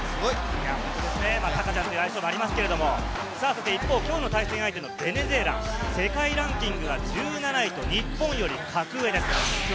タカちゃんという愛称もありますが、一方、きょうの対戦相手のベネズエラ、世界ランキングでは１７位と日本より格上です。